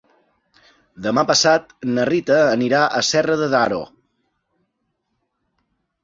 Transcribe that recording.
Demà passat na Rita anirà a Serra de Daró.